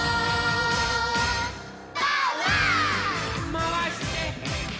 まわして！